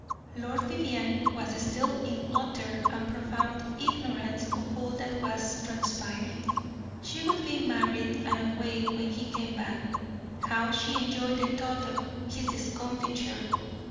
Lord Vivianne was still in utter and profound ignorance of all that was transpiring. She would be married and away when he came back; how she enjoyed the thought of his discomfiture.